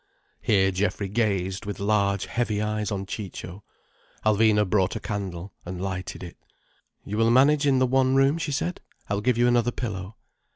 Here Geoffrey gazed with large, heavy eyes on Ciccio. Alvina brought a candle and lighted it. "You will manage in the one room?" she said. "I will give you another pillow."